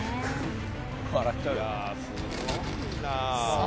さあ